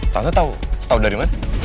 tante tau tau dari mana